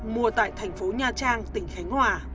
mua tại tp nha trang tỉnh khánh hòa